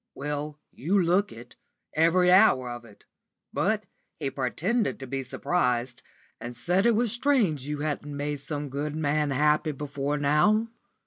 "Well, you look it, every hour of it. But he pretended to be surprised, and said it was strange you hadn't made some good man happy before now."